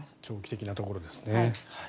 長期的なところですね。